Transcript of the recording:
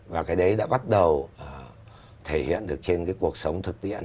và cái đấy đã bắt đầu thể hiện được trên cuộc sống thực tiện